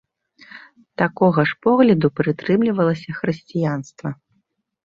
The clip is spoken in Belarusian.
Такога ж погляду прытрымлівалася хрысціянства.